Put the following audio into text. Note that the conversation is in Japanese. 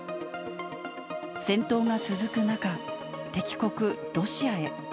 戦闘が続く中、敵国、ロシアへ。